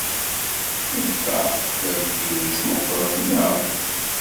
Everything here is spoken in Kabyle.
Yebṭer d amtiweg meɣɣren, naɣ?